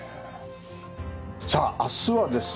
さあ明日はですね